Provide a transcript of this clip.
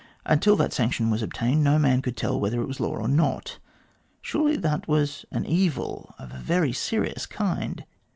Until that sanction was obtained, no man could tell whether it was law or not. Surely that was an evil of a very serious kind.